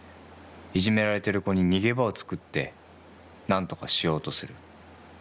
いじめられてる子に逃げ場を作って何とかしようとする。